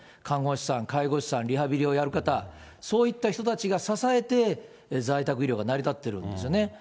看護師さん、介護士さん、リハビリをやる方、そういった人たちが支えて、在宅医療が成り立っているんですよね。